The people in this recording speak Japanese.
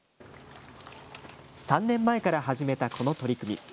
３年前から始めたこの取り組み。